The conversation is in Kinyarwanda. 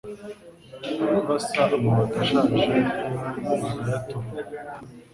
kurasa amabati ashaje bara yatobora